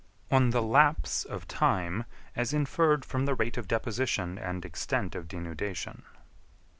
_On the Lapse of Time, as inferred from the rate of deposition and extent of Denudation.